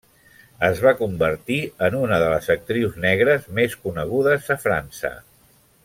Es va convertir en una de les actrius negres més conegudes a França.